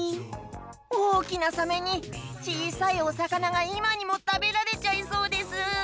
おおきなサメにちいさいおさかながいまにもたべられちゃいそうです。